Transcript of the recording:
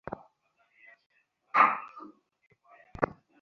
কহিল, মা, তোমাকে আমি কিছুদিন কাশী হইতে অন্য কোথাও লইয়া যাইব।